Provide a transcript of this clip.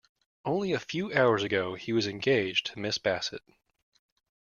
Only a few hours ago he was engaged to Miss Bassett.